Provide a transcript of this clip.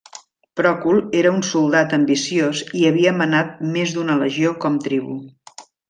Pròcul era un soldat ambiciós i havia manat més d'una legió com tribú.